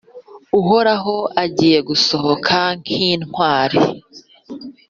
Uhoraho agiye gusohoka nk’intwari,